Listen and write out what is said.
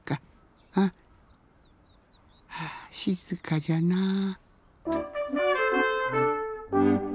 はあしずかじゃなぁ。